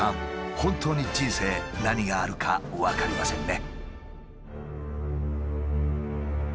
本当に人生何があるか分かりませんね。